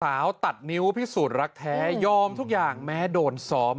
ตัดนิ้วพิสูจนรักแท้ยอมทุกอย่างแม้โดนซ้อม